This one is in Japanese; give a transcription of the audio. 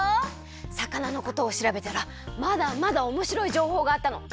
魚のことをしらべたらまだまだおもしろいじょうほうがあったの。